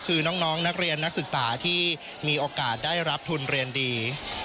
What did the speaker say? คือน้องนักเรียนนักศึกษาที่มีโอกาสได้รับทุนเรียนดี